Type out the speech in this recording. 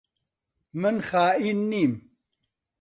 من خائین نیم.